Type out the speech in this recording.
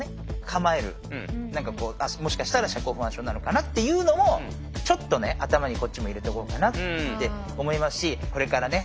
構える何かもしかしたら社交不安症なのかなっていうのをちょっとね頭にこっちも入れておこうかなって思いますしこれからね